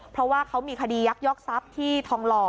เพราะว่าเขามีคดียักยอกทรัพย์ที่ทองหล่อ